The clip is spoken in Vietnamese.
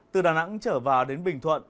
từ đà nẵng trở vào đến bình thuận